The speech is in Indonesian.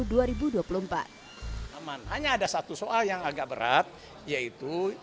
aman hanya ada satu soal yang agak berat yaitu